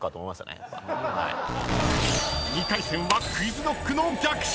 ［２回戦はＱｕｉｚＫｎｏｃｋの逆襲！］